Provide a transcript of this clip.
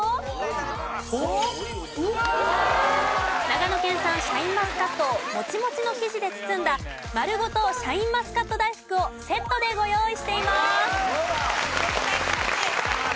長野県産シャインマスカットをもちもちの生地で包んだまるごとシャインマスカット大福をセットでご用意しています。